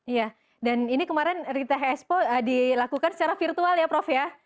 iya dan ini kemarin rite expo dilakukan secara virtual ya prof ya